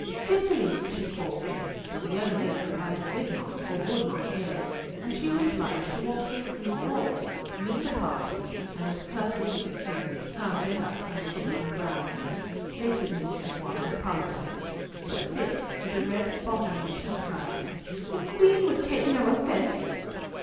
"Cicely!" she called, but the young lady either did not or would not hear, and she was obliged to walk hastily forward, meet the party, and with courteous excuses turn them back from the forbidden ground. They submitted at once, apologising, but Cis, with a red spot on her cheek, cried, "The Queen would take no offence."